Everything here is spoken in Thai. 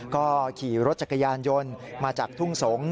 ก็ขี่รถจักรยานยนต์มาจากทุ่งสงศ์